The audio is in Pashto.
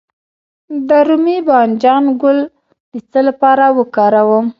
د رومي بانجان ګل د څه لپاره وکاروم؟